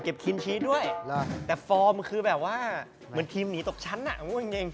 เก็บครีมชีสด้วยแต่๔มันคือแบบว่าเหมือนทีมหนีตกชั้นน่ะมึงเอง